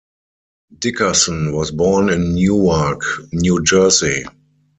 Dickerson was born in Newark, New Jersey.